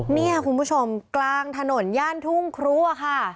เนี่ยคุณผู้ชมกลางถนนย่านทุ่งครัวค่ะ